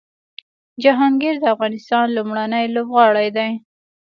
جهانګیر د افغانستان لومړنی لوبغاړی دی